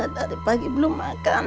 dari pagi belum makan